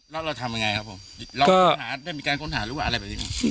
แล้วเราทำยังไงครับผมเราค้นหาได้มีการค้นหาหรือว่าอะไรแบบนี้